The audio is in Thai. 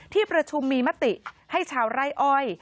ที่ประชุมมีมติให้ชาวไร่อ้อย